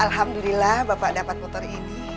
alhamdulillah bapak dapat motor ini